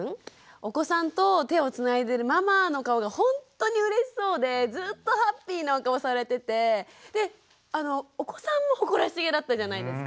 お子さんと手をつないでるママの顔がほんとにうれしそうでずっとハッピーなお顔されててでお子さんも誇らしげだったじゃないですか。